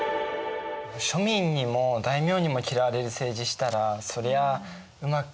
庶民にも大名にも嫌われる政治したらそりゃあうまくいかないよね。